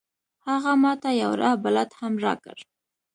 هغه ما ته یو راه بلد هم راکړ.